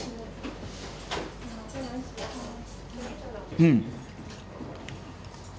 うん。